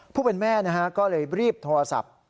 ผู้เป็นแม่ก็เลยรีบโทรศัพท์